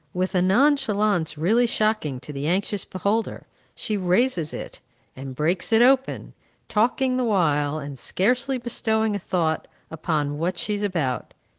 With a nonchalance really shocking to the anxious beholder, she raises it, and breaks it open, talking the while, and scarcely bestowing a thought upon what she is about.